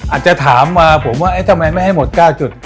อาจจะถามมาผมว่าทำไมไม่ให้หมด๙จุด